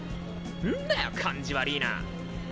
んだよ感じ悪ぃな！